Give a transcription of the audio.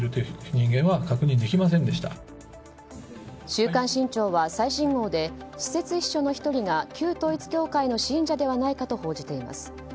「週刊新潮」は最新号で私設秘書の１人が旧統一教会の信者ではないかと報じています。